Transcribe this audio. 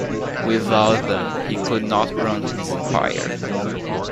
Without them he could not run his empire.